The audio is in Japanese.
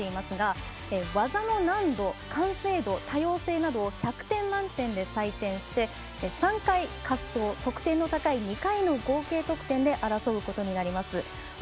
技の難度、完成度多様性などを１００点満点で採点して３回滑走得点の高い２回の合計得点で争うことになります。